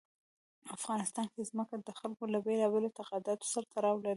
افغانستان کې ځمکه د خلکو له بېلابېلو اعتقاداتو سره تړاو لري.